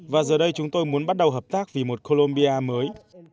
và giờ đây chúng tôi muốn bắt đầu hợp tác vì một colombia mới